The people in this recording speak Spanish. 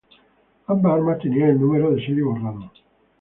Ambas armas tenían el número de serie borrado.